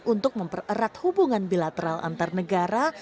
untuk mempererat hubungan bilateral antar negara